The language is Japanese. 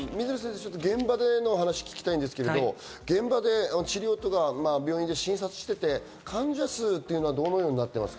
現場での話を聞きたいんですけど、現場で治療とか病院で診察をしていて、患者数というのはどのようになっていますか？